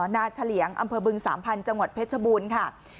เฉลี่ยงอำเภอบึงสามพันธุ์จังหวัดเพชรบูรณ์ค่ะ